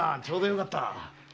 ちょうどよかった。